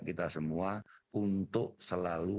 kita semua untuk selalu